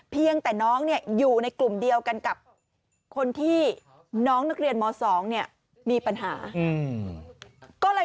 เพียงแต่น้องอยู่ในกลุ่มเดียวกันกับคนที่น้องนักเรียนม๒มีปัญหาก็เลย